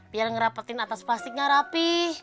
biar ngerepetin atas plastiknya rapi